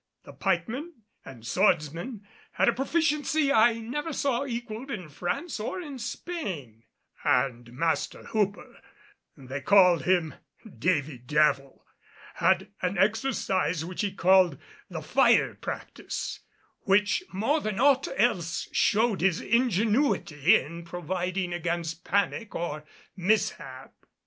The pikemen and swordsmen had a proficiency I never saw equaled in France or in Spain; and Master Hooper they called him "Davy Devil" had an exercise which he called the fire practise, which more than aught else showed his ingenuity in providing against panic or mishap.